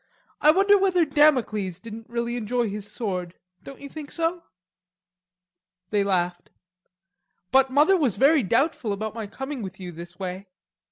I wonder whether Damocles didn't really enjoy his sword, don't you think so?" They laughed. "But mother was very doubtful about my coming with you this way.